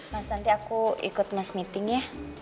mas nanti aku ikut mas meeting ya